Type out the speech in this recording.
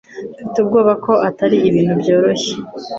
Mfite ubwoba ko atari ibintu byoroshye